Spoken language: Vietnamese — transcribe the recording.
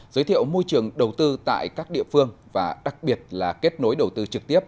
giới thiệu môi trường đầu tư tại các địa phương và đặc biệt là kết nối đầu tư trực tiếp